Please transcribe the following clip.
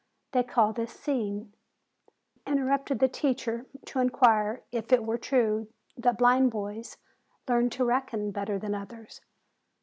They call this seeing!" Garoffi interrupted the teacher to inqu ire if it were true that blind boys learn to reckon better than others.